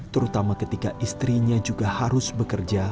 terutama ketika istrinya juga harus bekerja